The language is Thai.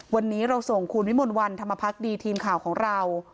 วันนี้เราส่งคุณวิมลวันธรรมพักดีทีมข่าวของเรา